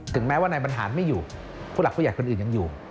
แม้ว่านายบรรหารไม่อยู่ผู้หลักผู้ใหญ่คนอื่นยังอยู่